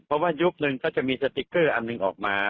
เพราะว่ายุคนึงก็จะมีสติ๊กเกอร์อันหนึ่งออกมา